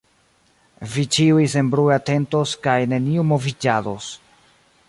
Vi ĉiuj senbrue atentos kaj neniu moviĝados.